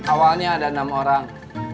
awalnya ada enam orang